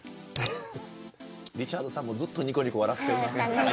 リチャードさんもずっとにこにこ笑ってる。